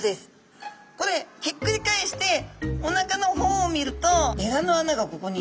これひっくり返しておなかの方を見るとエラの穴がここに。